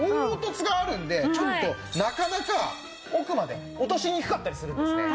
凹凸があるのでちょっとなかなか奥まで落としにくかったりするんですね。